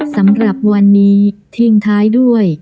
สำหรับวันนี้ทิ้งท้ายด้วย